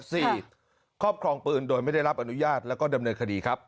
ครอบครองปืนโดยไม่ได้รับอนุญาตแล้วก็ดำเนินคดีครับ